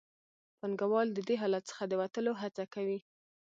پانګوال د دې حالت څخه د وتلو هڅه کوي